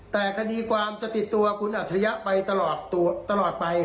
แต่คดีความจะติดตัวคุณอัจฉริยะไปตลอดไป